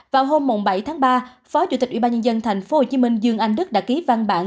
vào hôm bảy tháng ba phó chủ tịch ubnd tp hcm dương anh đức đã ký văn bản